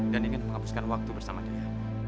dan ingin menghabiskan waktu bersama dia